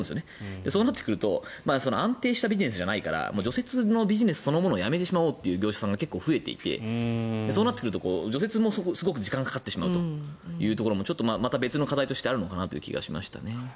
そうなってくると安定したビジネスじゃないから除雪のビジネスそのものをやめてしまおうという業者さんが増えていてそうなると除雪もすごく時間がかかってしまうというのも別の課題としてあるのかなと思いますね。